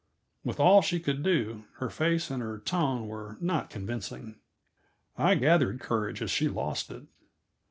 With all she could do, her face and her tone were not convincing. I gathered courage as she lost it.